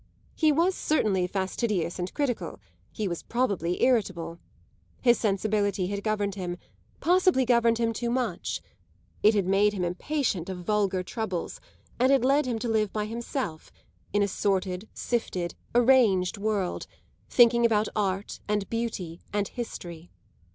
He was certainly fastidious and critical; he was probably irritable. His sensibility had governed him possibly governed him too much; it had made him impatient of vulgar troubles and had led him to live by himself, in a sorted, sifted, arranged world, thinking about art and beauty and history.